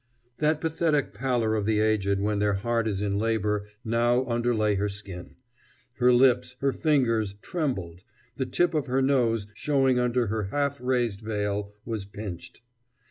That pathetic pallor of the aged when their heart is in labor now underlay her skin. Her lips, her fingers, trembled; the tip of her nose, showing under her half raised veil, was pinched.